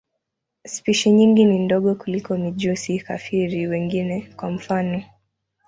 Spishi nyingi ni ndogo kuliko mijusi-kafiri wengine, kwa mfano.